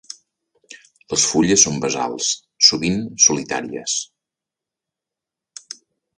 Les fulles són basals, sovint solitàries.